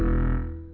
uji buat one day